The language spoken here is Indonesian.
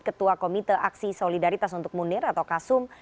ketua komite aksi solidaritas untuk munir atau kasum